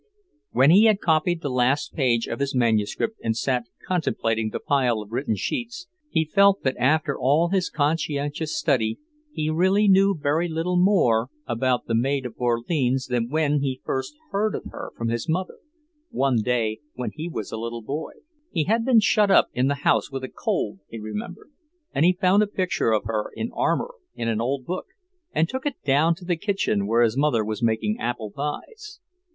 When he had copied the last page of his manuscript and sat contemplating the pile of written sheets, he felt that after all his conscientious study he really knew very little more about the Maid of Orleans than when he first heard of her from his mother, one day when he was a little boy. He had been shut up in the house with a cold, he remembered, and he found a picture of her in armour, in an old book, and took it down to the kitchen where his mother was making apple pies.